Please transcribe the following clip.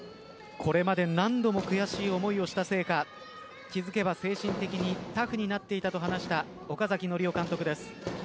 これまで何度も悔しい思いをしたせいか気づけば精神的にタフになっていたと話した、岡崎典生監督です。